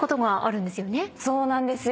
そうなんですよ。